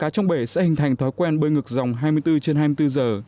cá trong bể sẽ hình thành thói quen bơi ngược dòng hai mươi bốn trên hai mươi bốn giờ